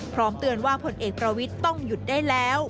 พร้อมเตือนว่าผลเอกประวิทย์ต้องหยุดได้แล้ว